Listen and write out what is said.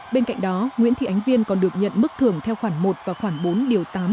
bên cạnh đó nguyễn thị ánh viên còn được nhận mức thưởng theo khoản một và khoảng bốn điều tám